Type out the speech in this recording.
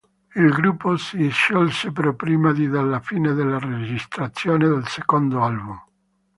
Il gruppo si sciolse però prima di della fine delle registrazioni del secondo album.